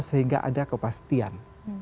sehingga ada kepastian